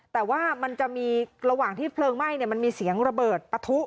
แต่ว่ามันจะมีระหว่างที่เพลิงไหม้มันมีเสียงระเบิดปะทุ